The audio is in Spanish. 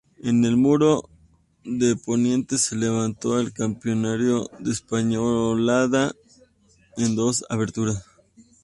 En el muro de poniente se levanta un campanario de espadaña con dos aberturas.